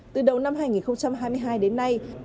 từ đầu năm hai nghìn hai mươi hai đến nay